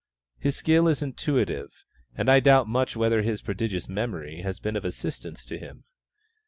His skill is intuitive, and I doubt much whether his prodigious memory has been of assistance to him.